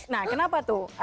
nah kenapa tuh